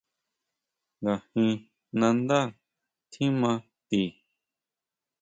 ¿Ngajin nandá tjima ti?